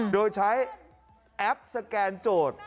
โดยใช้แอปสแกนโจทย์